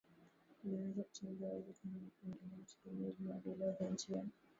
zinaweza kuchangia uwezekano wa kuingilia utegemeaji wa vileo kwa njia